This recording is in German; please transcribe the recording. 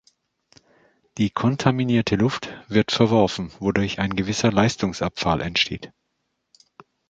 Die kontaminierte Luft wird verworfen, wodurch ein gewisser Leistungsabfall entsteht.